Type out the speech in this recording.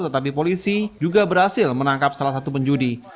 tetapi polisi juga berhasil menangkap salah satu penjudi